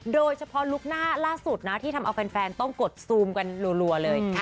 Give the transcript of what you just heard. โดยเฉพาะลุคหน้าล่าสุดนะที่ทำเอาแฟนต้องกดซูมกันรัวเลย